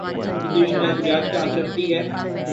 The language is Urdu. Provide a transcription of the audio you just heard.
اپوزیشن احتجاج کا حق رکھتی ہے۔